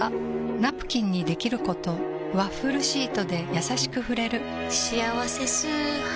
ナプキンにできることワッフルシートでやさしく触れる「しあわせ素肌」